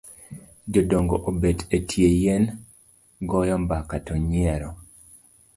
Jodongo obet etie yien goyo mbaka to nyiero.